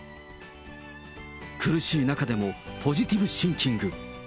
苦しい中でも、ポジティブシンキング。